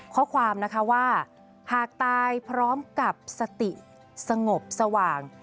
ข้อความนะคะว่าหากตายพร้อมกับสติสงบสว่าง